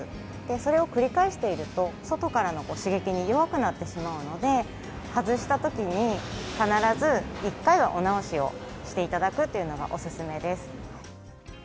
それを繰り返していると、外からの刺激に弱くなってしまうので、外したときに、必ず１回はお直しをしていただくというのがお勧めです。